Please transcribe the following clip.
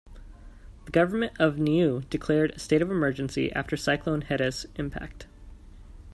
The government of Niue declared a state of emergency after Cyclone Heta's impact.